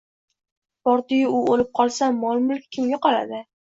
Bordi-yu, u o`lib qolsa, mol-mulk kimga qoladi